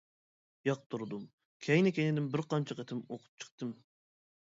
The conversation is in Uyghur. ياقتۇردۇم، كەينى-كەينىدىن بىر قانچە قېتىم ئوقۇپ چىقتىم.